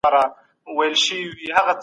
زه له سهار راهیسې په مطالعه بوخت یم.